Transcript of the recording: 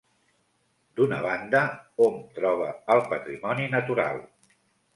D'una banda, hom troba el patrimoni natural.